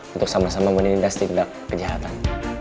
untuk sama sama menindas tindak kejahatan